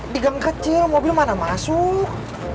digang kecil mobil mana masuk